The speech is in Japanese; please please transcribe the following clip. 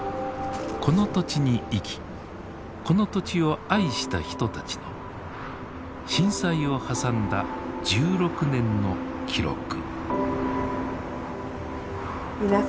この土地に生きこの土地を愛した人たちの震災を挟んだ１６年の記録。